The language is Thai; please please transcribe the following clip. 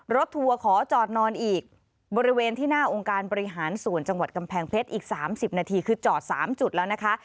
ทัวร์ขอจอดนอนอีกบริเวณที่หน้าองค์การบริหารส่วนจังหวัดกำแพงเพชรอีก๓๐นาทีคือจอด๓จุดแล้วนะคะ